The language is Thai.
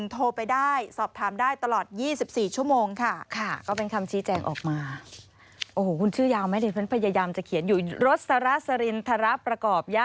โทรไปได้สอบถามได้ตลอด๒๔ชั่วโมงค่ะ